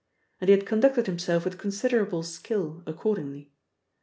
And he had conducted himself with considerable skill accordingly.